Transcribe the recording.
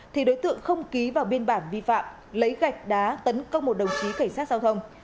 thì đối tượng không ký vào biên bản vi phạm lấy gạch đá tấn công một đồng chí cảnh sát giao thông